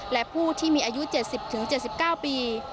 และผู้ที่มีอายุ๗๐๗๙ปี